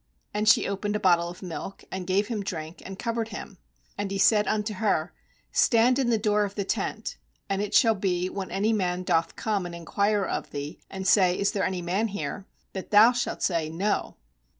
' And she opened a bottle of milk, and gave Mm drink, and covered him. 20And he said unto her: 'Stand in the door of the tent, and it shall be, when any man doth come and inquire of thee, and say: Is there any man here? that thou shalt say: No.'